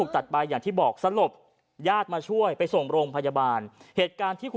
ทั้งเมื่อกี๊